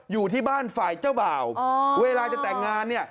อยู่ที่บ้านฝ่ายเจ้าบ่าวเวลาจะแต่งงานเนี่ย